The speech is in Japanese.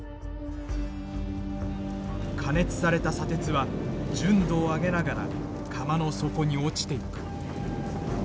加熱された砂鉄は純度を上げながら釜の底に落ちていく。